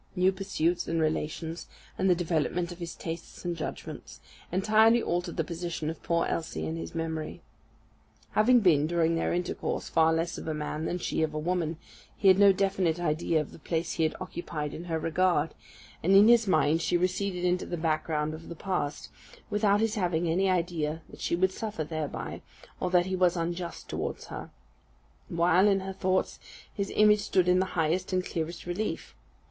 New pursuits and relations, and the development of his tastes and judgments, entirely altered the position of poor Elsie in his memory. Having been, during their intercourse, far less of a man than she of a woman, he had no definite idea of the place he had occupied in her regard; and in his mind she receded into the background of the past, without his having any idea that she would suffer thereby, or that he was unjust towards her; while, in her thoughts, his image stood in the highest and clearest relief.